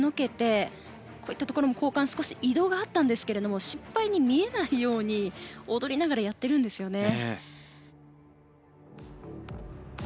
交換、こういったところも少し移動があったんですが失敗に見えないように踊りながらやっているんですよね。